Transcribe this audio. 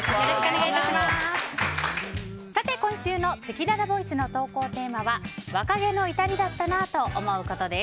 さて、今週のせきららボイスの投稿テーマは若気の至りだったなぁと思うことです。